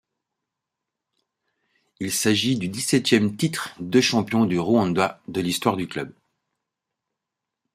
Il s’agit du dix-septième titre de champion du Rwanda de l’histoire du club.